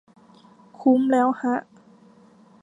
คุ้มแล้วฮะ